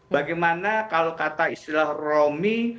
bagaimana kalau kata istilah romi